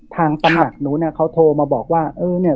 ตำหนักนู้นเขาโทรมาบอกว่าเออเนี่ย